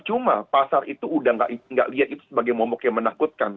cuma pasar itu udah nggak lihat itu sebagai momok yang menakutkan